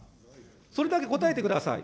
それだけ答えてください。